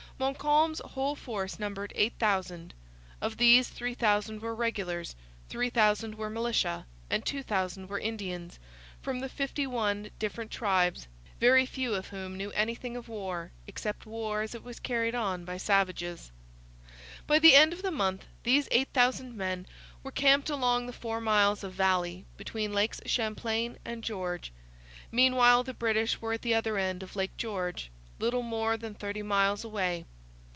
Montcalm's whole force numbered 8,000. Of these 3,000 were regulars, 3,000 were militia, and 2,000 were Indians from the fifty one different tribes, very few of whom knew anything of war, except war as it was carried on by savages. By the end of the month these 8,000 men were camped along the four miles of valley between Lakes Champlain and George. Meanwhile the British were at the other end of Lake George, little more than thirty miles away.